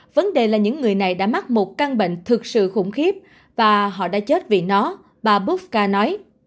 vấn đề là những người này đã mắc một căn bệnh thực sự khủng khiếp và họ đã chết vì nó bà bus ca nói